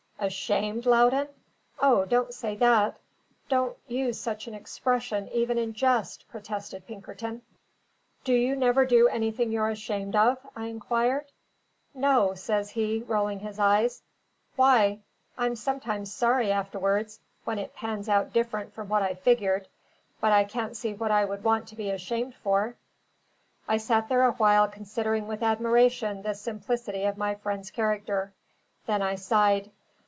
"Ashamed, Loudon? O, don't say that; don't use such an expression even in jest!" protested Pinkerton. "Do you never do anything you're ashamed of?" I inquired. "No," says he, rolling his eyes. "Why? I'm sometimes sorry afterwards, when it pans out different from what I figured. But I can't see what I would want to be ashamed for." I sat a while considering with admiration the simplicity of my friend's character. Then I sighed.